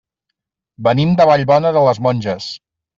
Venim de Vallbona de les Monges.